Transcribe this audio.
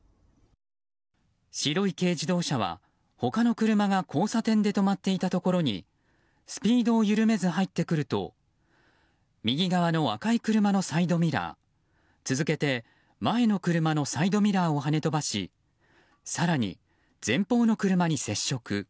白い軽自動車は、他の車が交差点で止まっていたところにスピードを緩めず入ってくると右側の赤い車のサイドミラー続けて、前の車のサイドミラーをはね飛ばし更に前方の車に接触。